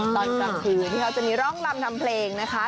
ตอนกลางคืนที่เขาจะมีร้องรำทำเพลงนะคะ